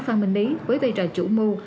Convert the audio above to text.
phan minh lý với tài trò chủ mưu